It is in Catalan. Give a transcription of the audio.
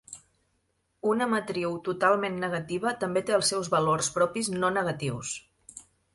Una matriu totalment negativa també té els seus valors propis no-negatius.